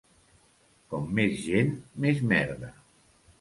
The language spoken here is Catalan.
Com més gent, més merda.